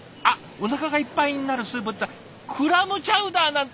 おなかがいっぱいになるスープっていったらクラムチャウダーなんて！